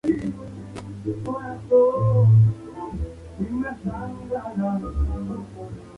Mientras tanto, John Corabi era el vocalista de la banda The Scream.